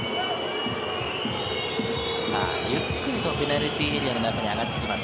ゆっくりとペナルティーエリアの中に上がってきます。